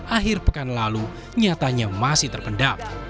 akhir pekan lalu nyatanya masih terpendam